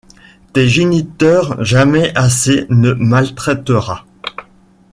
Tes géniteurs jamais assez ne maltraiteras.